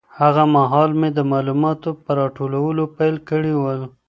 هغه مهال مي د معلوماتو په راټولولو پیل کړی و.